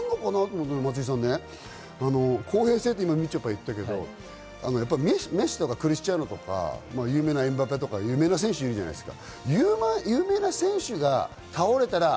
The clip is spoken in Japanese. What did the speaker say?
公平性と、みちょぱ言ったけど、メッシやクリスティアーノとか有名なエムバペとか有名な選手がいるじゃないですか。